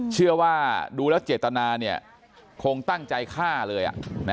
เชื่อว่าดูแล้วเจตนาคงตั้งใจฆ่าเลย